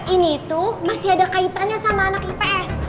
ini tuh masih ada kaitannya sama anak ips